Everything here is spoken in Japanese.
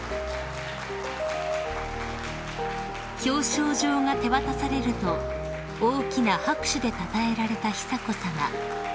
［表彰状が手渡されると大きな拍手でたたえられた久子さま］